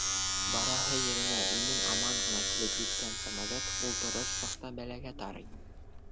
Бараһы еренә имен-аман ғына килеп еткән самолет ултырыр саҡта бәләгә тарый.